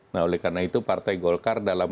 nah oleh karena itu partai golkar dalam